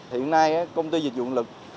hiện nay công ty dịch dụng lực